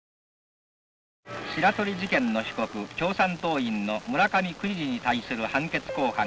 「白鳥事件の被告共産党員の村上国治に対する判決公判が」。